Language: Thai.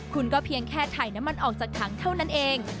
คุณก็เพียงแค่ถ่ายน้ำมันออกจากถังเท่านั้นเอง